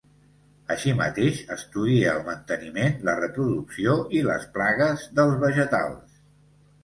Així mateix, estudia el manteniment, la reproducció i les plagues dels vegetals